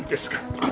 あっ！